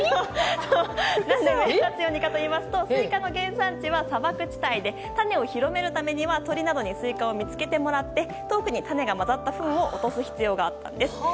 なぜかといいますとスイカの原産地は砂漠地帯で種を広めるためには鳥などにスイカを見つけてもらい遠くに種が混ざったふんを落とす必要があったんです。